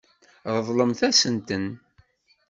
Ṛeḍlemt-asent-ten.